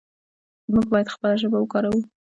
موږ باید خپله ژبه وکاروو.